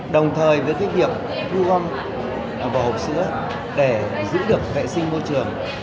đồng thời với việc thu gom vỏ hộp sữa để giữ được vệ sinh môi trường